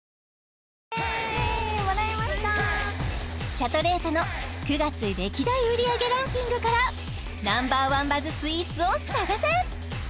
シャトレーゼの９月歴代売り上げランキングからＮｏ．１バズスイーツを探せ！